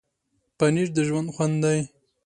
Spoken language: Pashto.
پنېر د ژوند خوند دی.